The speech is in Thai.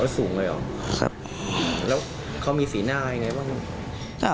สูงเลยเหรอครับแล้วเขามีสีหน้ายังไงบ้าง